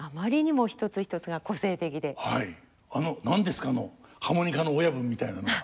あの何ですかあのハーモニカの親分みたいなのは。